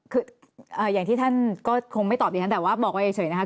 คืออย่างที่ท่านก็คงไม่ตอบดิฉันแต่ว่าบอกไว้เฉยนะครับ